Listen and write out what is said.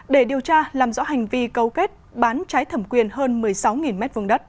để điều tra làm rõ hành vi cấu kết bán trái thẩm quyền hơn một mươi sáu m hai đất